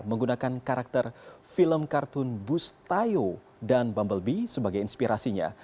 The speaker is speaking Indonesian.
menggunakan karakter film kartun bustayo dan bumblebee sebagai inspirasinya